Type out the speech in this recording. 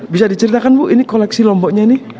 bisa diceritakan bu ini koleksi lomboknya ini